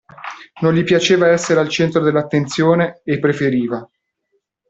Non gli piaceva essere al centro dell'attenzione, e preferiva.